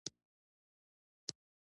خو ویې نه کړ ښایي د ټولنې پوهه یې کمه وي